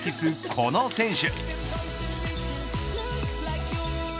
この選手。